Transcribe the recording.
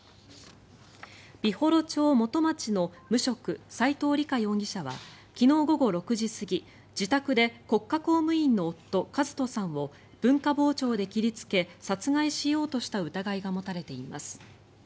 美幌町元町の無職斉藤リカ容疑者は昨日午後６時過ぎ自宅で国家公務員の夫和人さんを文化包丁で切りつけ殺害しようとした疑いが持たれています。